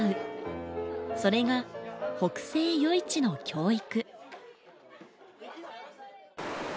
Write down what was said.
それが北星余市の教育。